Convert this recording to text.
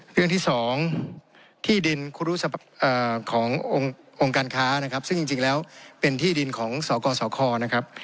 เรื่องที่๒ที่ดินขององค์การค้านะครับซึ่งจริงแล้วเป็นที่ดินของสกสคนะครับ